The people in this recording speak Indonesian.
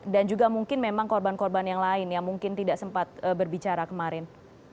dan juga mungkin memang korban korban yang lain yang mungkin tidak sempat berbicara kemarin